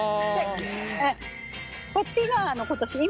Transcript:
こっちが今年。